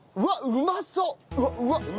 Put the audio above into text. うまそう！